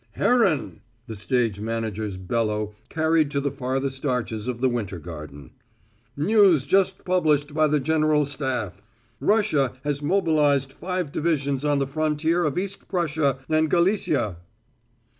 "Herren!" The stage manager's bellow carried to the farthest arches of the Winter Garden. "News just published by the general staff: Russia has mobilized five divisions on the frontier of East Prussia and Galicia!"